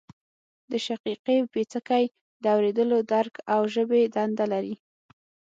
د شقیقې پیڅکی د اوریدلو درک او ژبې دنده لري